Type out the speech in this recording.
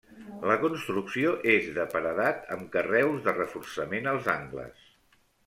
La construcció és de paredat amb carreus de reforçament als angles.